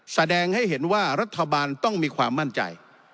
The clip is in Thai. แสดงให้เห็นว่ารัฐบาลต้องมีความมั่นใจ